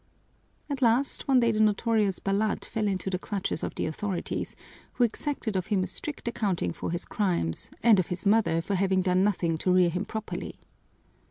"At last, one day the notorious Balat fell into the clutches of the authorities, who exacted of him a strict accounting for his crimes, and of his mother for having done nothing to rear him properly.